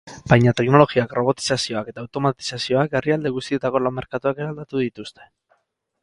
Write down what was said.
Baina teknologiak, robotizazioak eta automatizazioak herrialde guztietako lan merkatuak eraldatu dituzte.